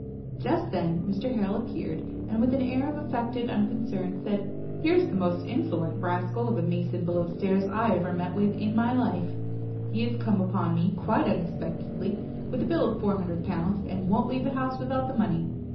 Just then Mr Harrel appeared, and, with an air of affected unconcern, said, "Here's the most insolent rascal of a mason below stairs I ever met with in my life; he has come upon me, quite unexpectedly, with a bill of 400 pounds, and won't leave the house without the money.